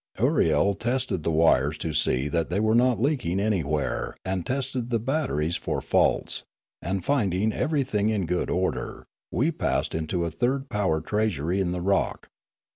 Ooriel tested the wires to see that they were not leaking anywhere and tested the batteries for faults, and finding everything in good order, we passed into a third power treasury in the rock.